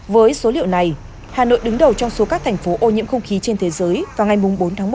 với số liệu này hà nội đứng đầu trong số các thành phố ô nhiễm không khí trên thế giới vào ngày bốn tháng một